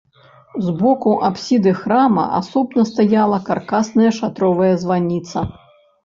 З боку апсіды храма асобна стаяла каркасная шатровая званіца.